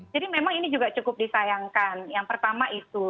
jadi memang ini juga cukup disayangkan yang pertama itu